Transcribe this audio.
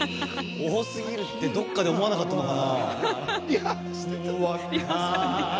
多すぎるってどこかで思わなかったのかな？